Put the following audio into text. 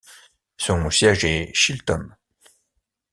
Son siège est Chilton.